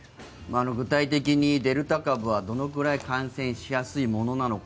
具体的にデルタ株はどのくらい感染しやすいものなのか。